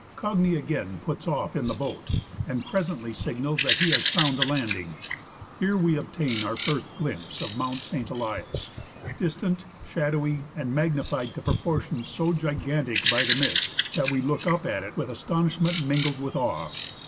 Cagni again puts off in the boat, and presently signals that he has found a landing. Here we obtain our first glimpse of Mount St. Elias, distant, shadowy, and 66 THE MALASPINA GLACIER magnified to proportions so gigantic by the mist that we look up at it with astonishment mingled with awe.